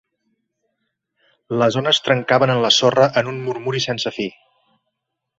Les ones trencaven en la sorra en un murmuri sense fi.